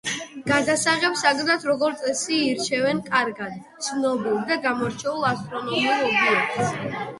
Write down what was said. გადასაღებ საგნად როგორც წესი, ირჩევენ კარგად ცნობილ და გამორჩეულ ასტრონომიულ ობიექტს.